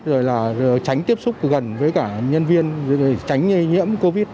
rồi là tránh tiếp xúc gần với cả nhân viên tránh nhiễm covid